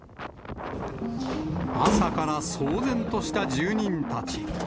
朝から騒然とした住民たち。